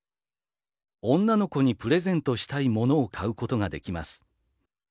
女の子にプレゼントしたい物を買うことができます。